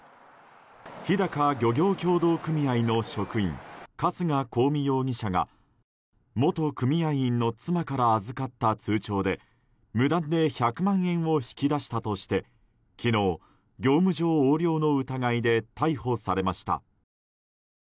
ひだか漁業協同組合の職員春日公美容疑者が元組合員の妻から預かった通帳で無断で１００万円を引き出したとして昨日、業務上横領の疑いで逮捕されました。